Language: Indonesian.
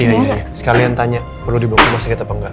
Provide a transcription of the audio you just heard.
iya iya sekalian tanya perlu dibungkus rumah sakit apa enggak